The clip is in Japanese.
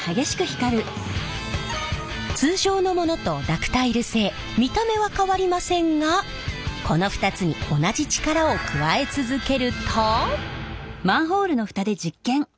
通常のものとダクタイル製見た目は変わりませんがこの２つに同じ力を加え続けると。